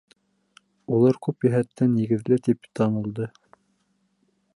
Улар күп йәһәттән нигеҙле тип танылды.